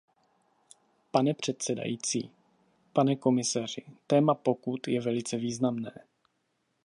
Paní předsedající, pane komisaři, téma pokut je velice významné.